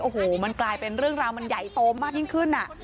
โอ้โหมันกลายเป็นเรื่องราวมันใหญ่โตมากยิ่งขึ้นอ่ะ